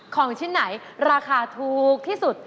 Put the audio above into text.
ของชิ้นไหนราคาถูกที่สุด